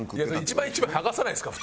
「一枚一枚剥がさないですか？